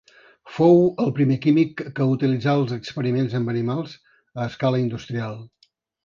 Fou el primer químic que utilitzà els experiments amb animals a escala industrial.